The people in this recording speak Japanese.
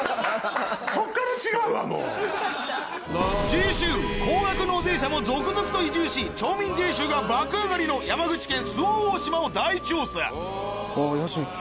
次週高額納税者も続々と移住し町民税収が爆上がりの山口県周防大島を大調査あヤシの木。